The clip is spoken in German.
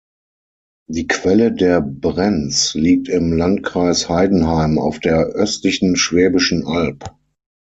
Die Quelle der Brenz liegt im Landkreis Heidenheim auf der östlichen Schwäbischen Alb.